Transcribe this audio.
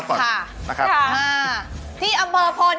ก็อาจจะเปิดร้าน